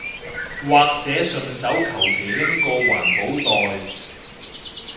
或者順手求其拎個環保袋